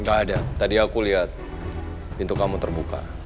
nggak ada tadi aku lihat pintu kamu terbuka